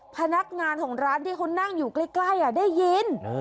พนักงานของร้านที่เขานั่งอยู่ใกล้ได้ยิน